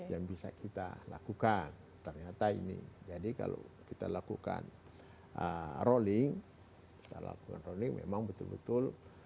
yang bisa kita lakukan ternyata ini jadi kalau kita lakukan rolling kita lakukan rolling memang betul betul